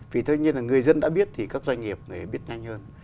vì thế nhưng là người dân đã biết thì các doanh nghiệp mới biết nhanh hơn